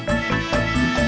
tati disuruh nyiram